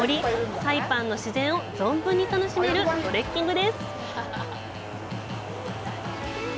サイパンの自然を存分に楽しめるトレッキングです！